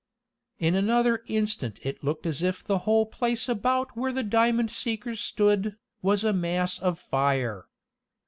In another instant it looked as if the whole place about where the diamond seekers stood, was a mass of fire.